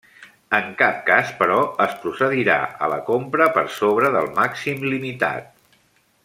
En cap cas però es procedirà a la compra per sobre del màxim limitat.